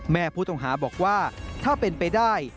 แม่ผู้ต้องหาบอกว่าถ้าเป็นไปได้